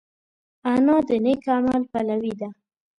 انا د نېک عمل پلوي ده